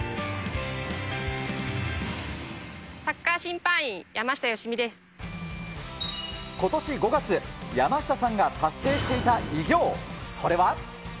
サッカー審判員、山下良美でことし５月、山下さんが達成していた偉業、それは。